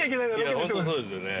◆本当そうですよね。